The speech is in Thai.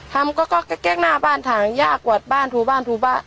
เขาก็แก๊กหน้าบ้านถังย่ากวาดบ้านถูบ้านถูบ้าน